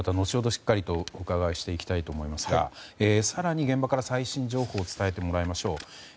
しっかりお伺いしていきたいと思いますが更に現場から最新情報を伝えてもらいましょう。